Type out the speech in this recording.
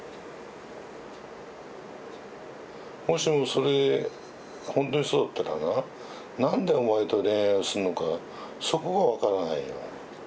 もしもそれほんとにそうだったらな何でお前と恋愛をするのかそこが分からないよ。